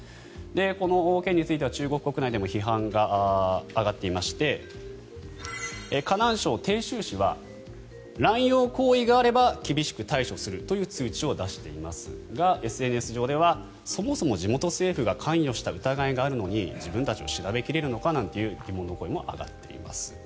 この件については中国国内でも批判が上がっていまして河南省鄭州市は乱用行為があれば厳しく対処するという通知を出していますがＳＮＳ上ではそもそも地元政府が関与した疑いがあるのに自分たちを調べ切れるのかなんていう疑問の声も上がっています。